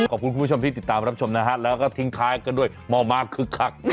ขอบคุณคุณผู้ชมที่ติดตามรับชมนะฮะแล้วก็ทิ้งท้ายกันด้วยหมอม้าคึกคัก